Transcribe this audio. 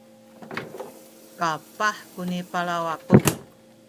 kapah kuni palaw aku